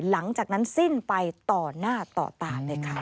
หลังจากนั้นสิ้นไปต่อหน้าต่อตาเลยค่ะ